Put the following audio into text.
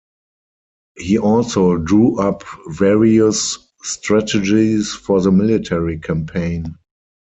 He also drew up various strategies for the military campaign.